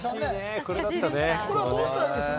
どうしたらいいんですか？